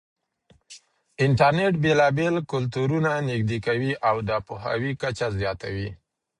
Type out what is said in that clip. انټرنېټ بېلابېل کلتورونه نږدې کوي او د پوهاوي کچه زياتوي.